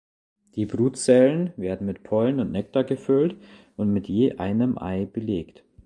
Die Brutzellen werden mit Pollen und Nektar gefüllt und mit je einem Ei belegt.